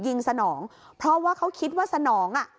พอหลังจากเกิดเหตุแล้วเจ้าหน้าที่ต้องไปพยายามเกลี้ยกล่อม